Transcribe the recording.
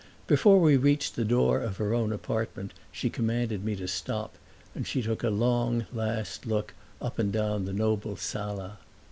Before we reached the door of her own apartment she commanded me to stop, and she took a long, last look up and down the noble sala.